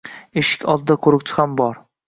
Eshik oldida qoʻriqchi ham bor.